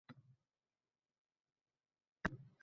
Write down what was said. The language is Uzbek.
murosa bilan yashang, yaxshiliklaridan bahramand bo‘ling